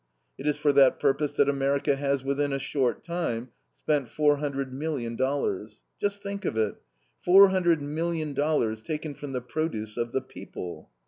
It is for that purpose that America has within a short time spent four hundred million dollars. Just think of it four hundred million dollars taken from the produce of the PEOPLE.